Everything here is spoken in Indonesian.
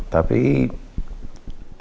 tapi elsa pulang begitu aja